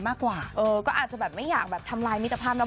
เพราะเป็นเพื่อนกันเนอะ